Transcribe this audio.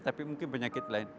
tapi mungkin penyakit lain